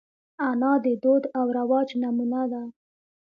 انا د دود او رواج نمونه ده